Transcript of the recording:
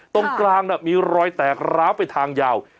ตรงกลางมีรอยแตกร้าวไปทางยาว